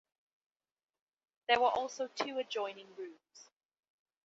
There were also two adjoining rooms.